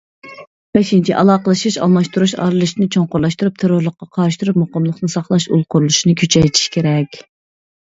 بەشىنچى، ئالاقىلىشىش، ئالماشتۇرۇش، ئارىلىشىشنى چوڭقۇرلاشتۇرۇپ، تېررورلۇققا قارشى تۇرۇپ، مۇقىملىقنى ساقلاش ئۇل قۇرۇلۇشىنى كۈچەيتىش كېرەك.